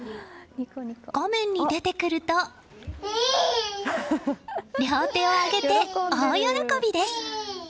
画面に出てくると両手を上げて大喜びです。